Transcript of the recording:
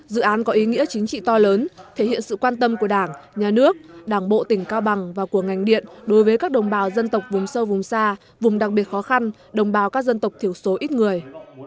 dự án có ý nghĩa chính trị to lớn thể hiện sự quan tâm của đảng nhà nước đảng bộ tỉnh cao bằng và của ngành điện đối với các đồng bào dân tộc vùng sâu vùng xa vùng đặc biệt khó khăn đồng bào các dân tộc thiểu số ít người